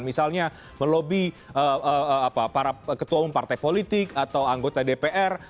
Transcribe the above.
misalnya melobi para ketua umum partai politik atau anggota dpr